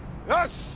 よし！